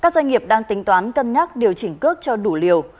các doanh nghiệp đang tính toán cân nhắc điều chỉnh cước cho đủ liều